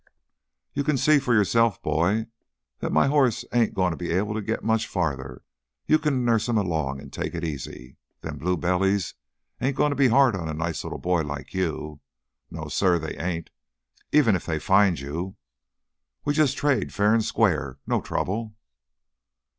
"You can see for yourself, boy, that m' hoss ain't gonna be able to git much farther. You can nurse him along an' take it easy. Them blue bellies ain't gonna be hard on a nice little boy like you no, suh, they ain't even if they find you. We jus' trade fair an' square. No trouble...."